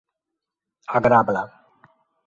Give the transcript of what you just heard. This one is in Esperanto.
agrabla